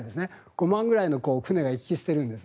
５万くらいの船が行き来しているんです。